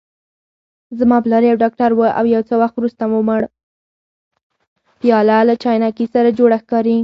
پیاله له چاینکي سره جوړه ښکاري.